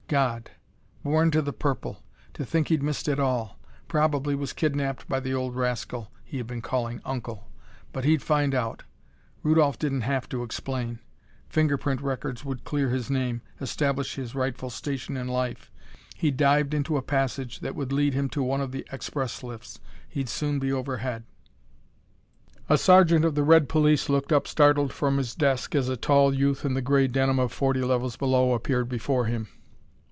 God! Born to the purple! To think he'd missed it all! Probably was kidnaped by the old rascal he'd been calling uncle. But he'd find out. Rudolph didn't have to explain. Fingerprint records would clear his name; establish his rightful station in life. He dived into a passage that would lead him to one of the express lifts. He'd soon be overhead. A sergeant of the red police looked up startled from his desk as a tall youth in the gray denim of forty levels below appeared before him.